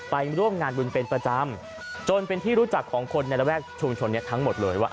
ไปร่วมงานบุญเป็นประจำจนเป็นที่รู้จักของคนในระแวกชุมชนนี้ทั้งหมดเลยว่า